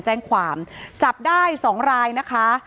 อ๋อเจ้าสีสุข่าวของสิ้นพอได้ด้วย